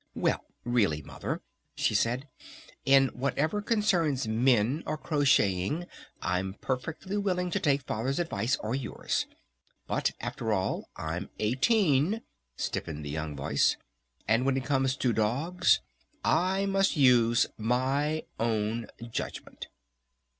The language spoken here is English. "Well really, Mother," she said, "In whatever concerns men or crocheting I'm perfectly willing to take Father's advice or yours. But after all, I'm eighteen," stiffened the young voice. "And when it comes to dogs I must use my own judgment!"